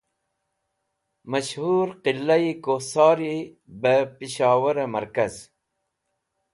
Mash Hur Qilai Kusori be Peshowure Markaz